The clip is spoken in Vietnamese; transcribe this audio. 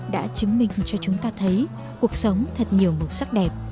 đã chứng minh cho chúng ta thấy cuộc sống thật nhiều màu sắc đẹp